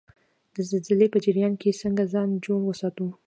د زلزلې په جریان کې څنګه ځان جوړ وساتو؟